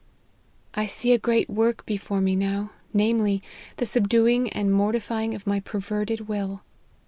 " I see a great work before me now, namely, the subduing and mortifying of my perverted will.